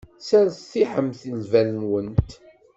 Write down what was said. Sseṛtiḥemt lbal-nwent.